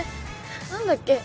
何だっけ？